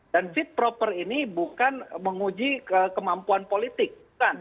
dan fit proper ini bukan menguji kemampuan politik